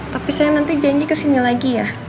tapi saya nanti janji kesini lagi ya